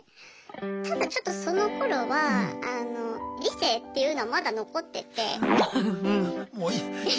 ただちょっとそのころは理性っていうのはまだ残ってて。